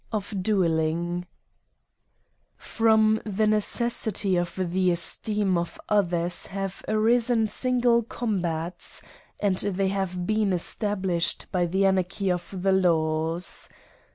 Of Budling, FROM the necessity of the esteem of others have arisen single combats, and they have been established by the anarchy of the laws.